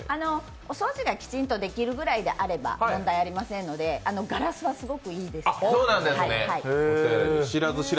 お掃除がきちんとできるぐらいであれば問題ないですのでガラスはすごくいいですから。